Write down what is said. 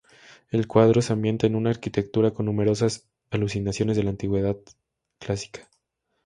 El cuadro se ambienta en una arquitectura con numerosas alusiones a la Antigüedad clásica.